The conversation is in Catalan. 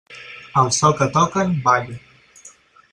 Al so que toquen, balla.